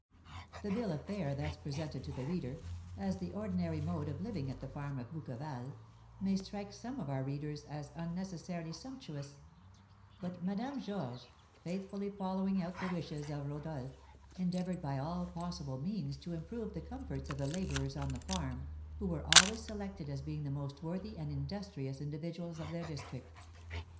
The bill of fare thus presented to the reader, as the ordinary mode of living at the farm of Bouqueval, may strike some of our readers as unnecessarily sumptuous; but Madame Georges, faithfully following out the wishes of Rodolph, endeavoured by all possible means to improve the comforts of the labourers on the farm, who were always selected as being the most worthy and industrious individuals of their district.